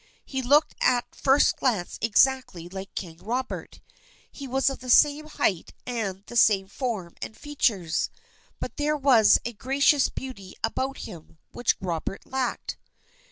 He looked at first glance exactly like King Robert. He was of the same height and the same form and features; but there was a gracious beauty about him which Robert lacked.